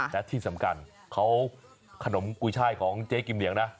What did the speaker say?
และที่สำคัญเขาขนมกุยช่ายของเจ๊กิมเหนียงนะ